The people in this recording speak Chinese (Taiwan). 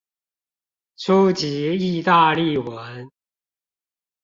初級義大利文